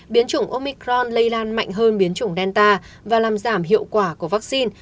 biến chủng omicron lây lan mạnh hơn biến chủng delta và làm giảm hiệu quả của vaccine